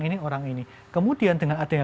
ini orang ini kemudian dengan adanya